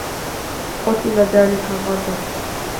قتل ذلك الرجل.